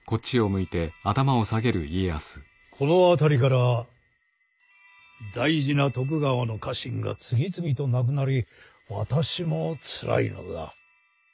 この辺りから大事な徳川の家臣が次々と亡くなり私もつらいのだ。